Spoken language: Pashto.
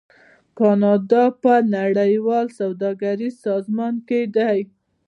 کاناډا په نړیوال سوداګریز سازمان کې دی.